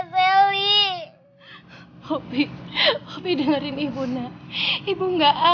ibu juga bikin ini meninggal